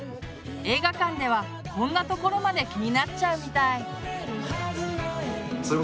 映画館ではこんなところまで気になっちゃうみたい。